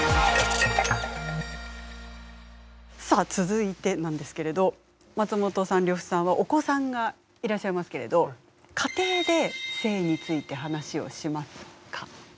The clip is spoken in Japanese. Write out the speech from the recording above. さあ続いてなんですけれど松本さん呂布さんはお子さんがいらっしゃいますけれど家庭で性について話をしますか？